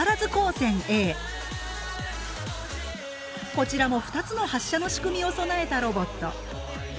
こちらも２つの発射の仕組みを備えたロボット。